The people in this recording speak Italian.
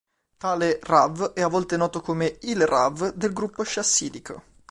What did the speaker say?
Tale "rav" è a volte noto come "il rav" del gruppo chassidico.